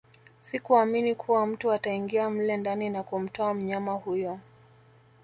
Sikuamini kuwa mtu ataingia mle ndani na kumtoa mnyama huyo